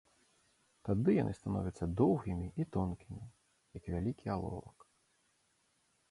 Тады яны становяцца доўгімі і тонкімі, як вялікі аловак.